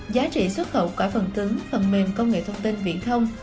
giá trị xuất khẩu cả phần cứng phần mềm công nghệ thông tin viện thông